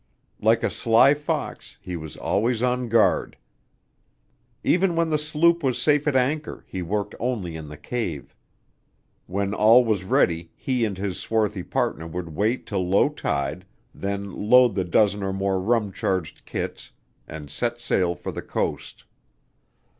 Like a sly fox, he was always on guard. Even when the sloop was safe at anchor, he worked only in the cave. When all was ready, he and his swarthy partner would wait till low tide, then load the dozen or more rum charged kits and set sail for the coast.